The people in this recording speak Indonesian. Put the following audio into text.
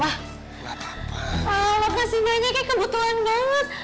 wah lo kasih banyak ya kebetulan banget